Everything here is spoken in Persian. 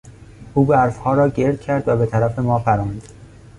او برفها را گرد کرد و به طرف ما پراند.